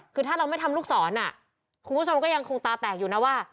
คือถ้าเราไม่ทำลูกศรคุณผู้ชมก็ยังคงตาแตกอยู่นะว่า